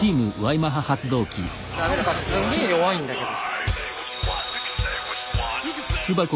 すんげえ弱いんだけど。